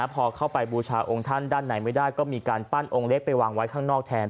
พอเข้าไปบูชาองค์ท่านด้านในไม่ได้ก็มีการปั้นองค์เล็กไปวางไว้ข้างนอกแทน